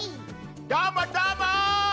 どーもどーも！